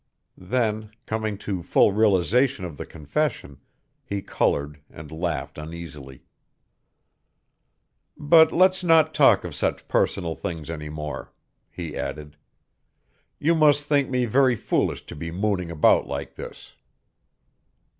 Then, coming to full realization of the confession, he colored and laughed uneasily. "But let's not talk of such personal things any more," he added. "You must think me very foolish to be mooning about like this."